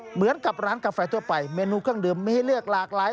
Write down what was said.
เหมือนกับร้านกาแฟทั่วไปเมนูเครื่องดื่มมีให้เลือกหลากหลาย